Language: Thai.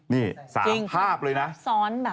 นี่๓ภาพเลยนะ